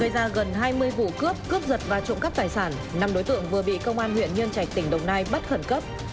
ra gần hai mươi vụ cướp cướp giật và trộm cắp tài sản năm đối tượng vừa bị công an huyện nhân trạch tỉnh đồng nai bắt khẩn cấp